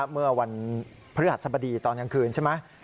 เมื่อวันพระฤาษฎรรย์ตอนกลางคืนใช่ไหม